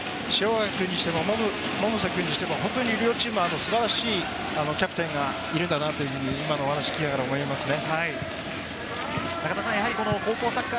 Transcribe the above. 塩貝君にしても百瀬君にしても両チーム素晴らしいキャプテンがいるんだなというふうに今の話を聞きながら思いましたね。